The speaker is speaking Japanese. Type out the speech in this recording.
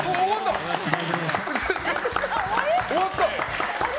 終わった！